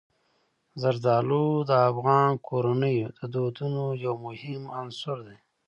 زردالو د افغان کورنیو د دودونو یو مهم عنصر دی.